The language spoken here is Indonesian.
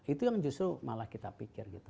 itu yang justru malah kita pikir gitu